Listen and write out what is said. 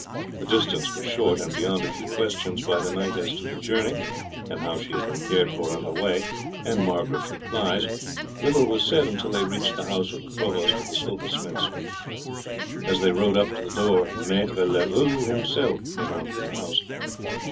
The distance was short, and beyond a few questions by the knight as to the journey and how she had been cared for on the way, and Margaret's replies, little was said until they reached the house of the provost of the silversmiths. As they rode up to the door Maître Leroux himself came out from the house.